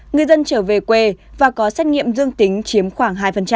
người dân trở về quê và có xét nghiệm dương tính chiếm khoảng hai